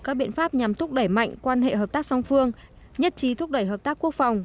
các biện pháp nhằm thúc đẩy mạnh quan hệ hợp tác song phương nhất trí thúc đẩy hợp tác quốc phòng